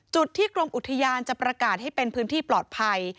จุดที่กรมอุทยานจะประกาศให้เป็นพื้นที่ปลอดภัย